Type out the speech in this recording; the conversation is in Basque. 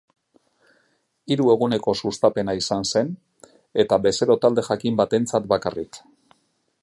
Hiru eguneko sustapena izan zen, eta bezero talde jakin batentzat bakarrik.